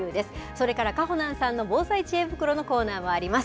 それから、かほなんさんの防災知恵袋のコーナーもあります。